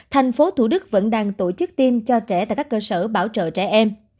thành phố thủ đức vẫn đang tổ chức tiêm cho trẻ tại các cơ sở bảo trợ trẻ em